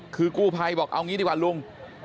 คือกู้ภัยบอกเอางี้ดีกว่าลุง